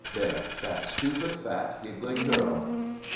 There, that stupid fat giggling girl!